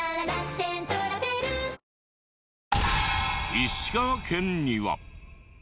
石川県には。